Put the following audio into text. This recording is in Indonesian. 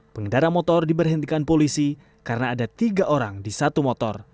pengendara motor diberhentikan polisi karena ada tiga orang di satu motor